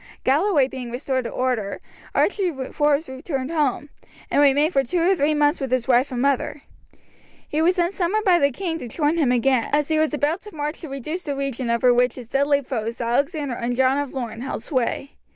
Galloway being restored to order, Archie Forbes returned home, and remained for two or three months with his wife and mother. He was then summoned by the king to join him again, as he was about to march to reduce the region over which his deadly foes Alexander and John of Lorne held sway.